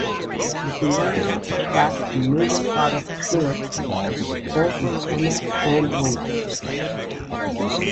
Vienna attracts a major part of tourists, both in summer and winter.